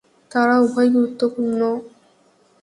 তারা উভয় গুরুত্বপূর্ণ।